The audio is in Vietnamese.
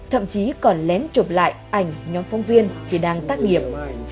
thậm chí còn lén chụp lại ảnh nhóm phóng viên khi đang tác nghiệp